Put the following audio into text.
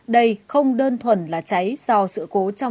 đây không đơn thuần là cháy do sự cố